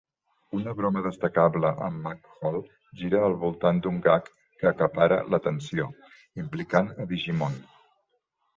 Una broma destacable amb Mac Hall gira al voltant d'un gag que acapara l'atenció, implicant a "Digimon".